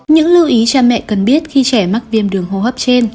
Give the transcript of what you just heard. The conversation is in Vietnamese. những lưu ý cha mẹ cần biết khi trẻ mắc viêm đường hô hấp trên